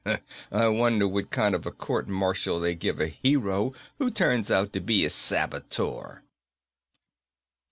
"I wonder what kind of a court martial they give a hero who turns out to be a saboteur."